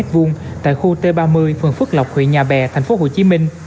tại khu t ba mươi phường phước lộc huyện nhà bè tp hcm